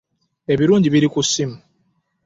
Ebirungi ebiri ku ssimu.